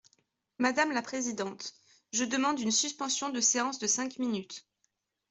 Madame la présidente, je demande une suspension de séance de cinq minutes.